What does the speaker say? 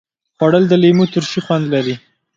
خوړل د لیمو ترشي خوند لري